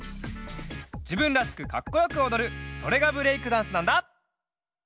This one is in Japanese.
じぶんらしくかっこよくおどるそれがブレイクダンスなんだ！